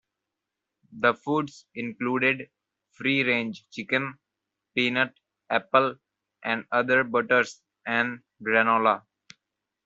The foods included free-range chicken; peanut, apple, and other butters; and granola.